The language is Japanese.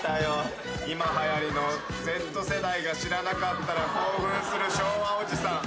今はやりのＺ世代が知らなかったら興奮する昭和おじさん。